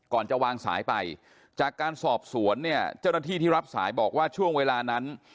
ก่อนจะวางสายไปจากการสอบสวนเนี่ยเจ้าหน้าที่ที่รับสายบอกว่าช่วงเวลานั้น